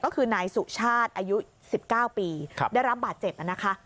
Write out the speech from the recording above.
ก็คือนายสุชาติอายุ๑๙ปีได้รับบาดเจ็บนะคะ